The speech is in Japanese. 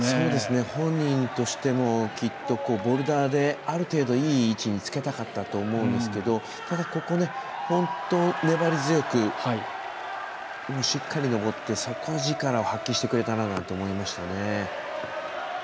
本人としてもきっと、ボルダーである程度、いい位置につけたかったと思うんですけどただ、ここ本当粘り強くしっかり登って底力を発揮してくれたななんて思いましたね。